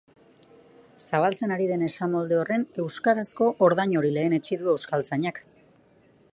Zabaltzen ari den esamolde horren euskarazko ordain hori lehenetsi du euskaltzainak.